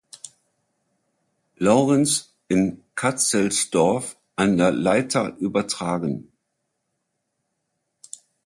Laurenz in Katzelsdorf an der Leitha übertragen.